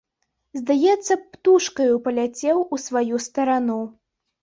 Здаецца б, птушкаю паляцеў у сваю старану.